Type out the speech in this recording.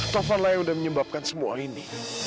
taufan lah yang udah menyebabkan semua ini